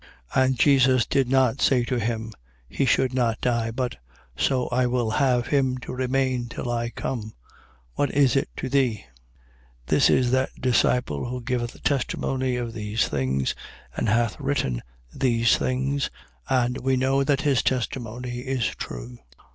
And Jesus did not say to him: He should not die; but: So I will have him to remain till I come, what is it to thee? 21:24. This is that disciple who giveth testimony of these things and hath written these things: and we know that his testimony is true.